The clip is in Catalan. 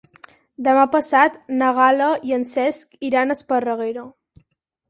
Demà passat na Gal·la i en Cesc iran a Esparreguera.